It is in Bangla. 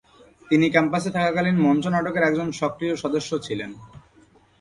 তিনি ক্যাম্পাসে থাকাকালীন মঞ্চ নাটকের একজন সক্রিয় সদস্য ছিলেন।